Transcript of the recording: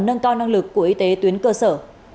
nâng cao năng lực của y tế tuyến cơ sở